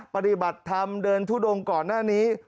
ปฏิบัติธรรมเดินทุดงก่อนหน้านี้